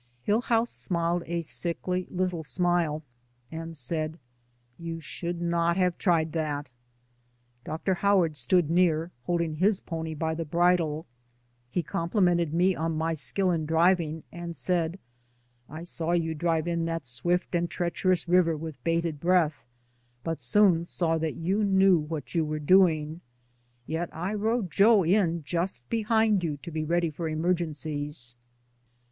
Hillhouse smiled a sickly little smile, and said, "You should not have tried that." Dr. Howard stood near, holding his pony by the bridle. He complimented me on my skill in driving, and said, "I saw you drive DAYS ON THE ROAD. " 163 in that swift and treacherous river with bated breath, but soon saw that you knew what you were doing, yet I rode Joe in just behind you to be ready for emergencies."